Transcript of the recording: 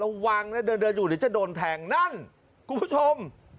ระวังนะเดินอยู่เดี๋ยวจะโดนแทงนั่นคุณผู้ชม